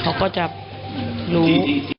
เขาก็จะรู้